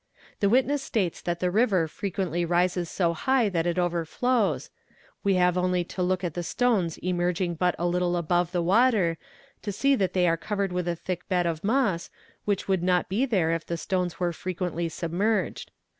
The witness states that the river frequently rises so high that it overflows; we have only to look at the stones emerging bu a little above the water, to see that they are covered with a thick bed of moss which would not be there if the stones were frequently submerged.